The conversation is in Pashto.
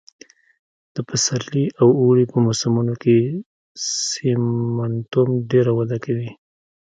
د پسرلي او اوړي په موسمونو کې سېمنټوم ډېره وده کوي